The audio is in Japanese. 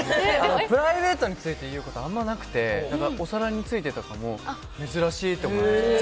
プライベートについて言うことあんまりなくてだからお皿についても珍しいと思います。